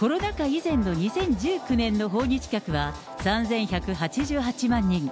以前の２０１９年の訪日客は、３１８８万人。